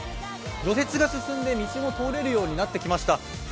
除雪が進んで道も通れるようになってきました。